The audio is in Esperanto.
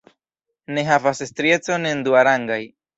Ne havas striecon en duarangaj.